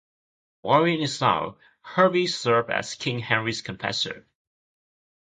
While in exile, Hervey served as King Henry's confessor.